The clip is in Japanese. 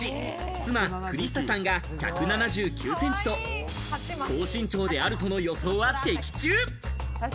妻・クリスタさんが１７９センチと、高身長であるとの予想は的中。